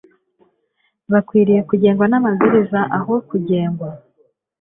Bakwiriye kugengwa namabwiriza aho kugengwa